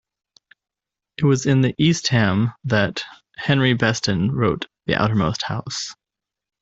It was in Eastham that Henry Beston wrote The Outermost House.